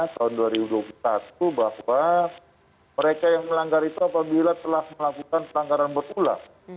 tahun dua ribu dua puluh satu bahwa mereka yang melanggar itu apabila telah melakukan pelanggaran berulang